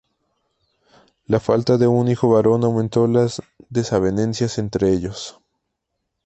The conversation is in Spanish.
La falta de un hijo varón aumentó las desavenencias entre ellos.